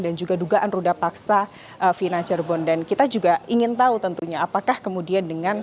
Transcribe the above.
dan juga dugaan ruda paksa fina cerbon dan kita juga ingin tahu tentunya apakah kemudian ini akan berjalan dengan baik